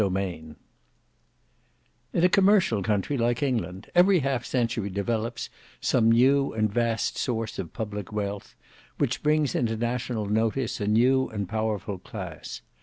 Book 2 Chapter 7 In a commercial country like England, every half century developes some new and vast source of public wealth, which brings into national notice a new and powerful class.